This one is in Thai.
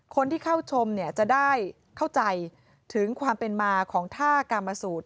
คนที่เข้าชมเนี่ยจะได้เข้าใจถึงความเป็นมาของท่ากามสูตร